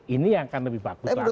ini yang akan lebih bagus lagi